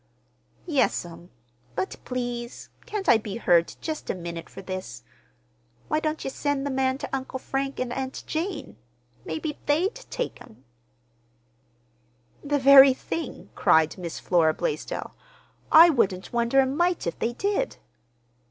"Yes'm. But, please, can't I be heard just a minute for this? Why don't ye send the man ter Uncle Frank an' Aunt Jane? Maybe they'd take him." "The very thing!" cried Miss Flora Blaisdell. "I wouldn't wonder a mite if they did."